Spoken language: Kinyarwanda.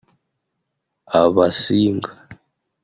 abasinga